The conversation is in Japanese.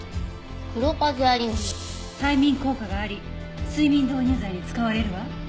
催眠効果があり睡眠導入剤に使われるわ。